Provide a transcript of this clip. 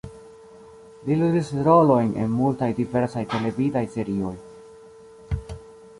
Li ludis rolojn en multaj diversaj televidaj serioj.